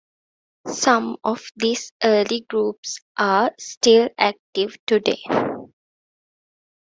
Some of this early groups are still active today.